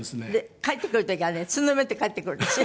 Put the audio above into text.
帰ってくる時はねつんのめって帰ってくるんですよ。